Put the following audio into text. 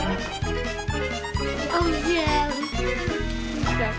おいしい！